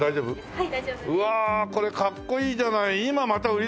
はい。